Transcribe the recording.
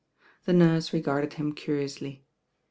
The nurse regarded him curiously.